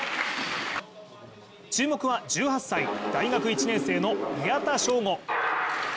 注目は１８歳、大学１年生の宮田将吾。